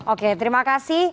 oke terima kasih